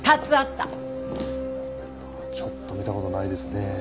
ちょっと見た事ないですね。